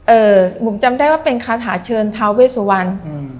เอ่อผมจำได้ว่าเป็นคาถาเชิญท้าเวสวรรพ์